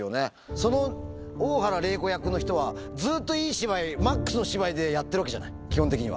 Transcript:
その大原麗子役の人は、ずっといい芝居、マックスの芝居でやってるわけじゃない、基本的には。